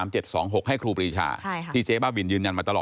เจ๊บ้าบิลคือแม้ค้าขายสลากกินแบบรัฐบาล